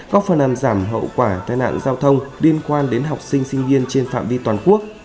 góp phần làm giảm hậu quả tai nạn giao thông liên quan đến học sinh sinh viên trên phạm vi toàn quốc